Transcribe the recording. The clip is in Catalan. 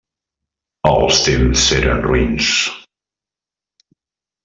Els temps eren roïns.